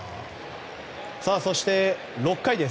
そして、６回です。